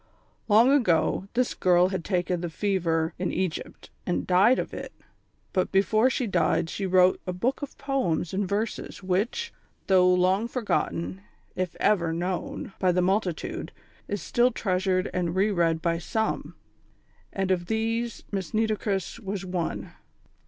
Long ago, this girl had taken the fever in Egypt, and died of it; but before she died she wrote a book of poems and verses, which, though long forgotten if ever known by the multitude, is still treasured and re read by some, and of these Miss Nitocris was one.